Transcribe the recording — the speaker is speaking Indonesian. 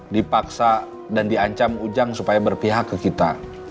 dipaksa dan diancam ujang supaya berpihak ke kita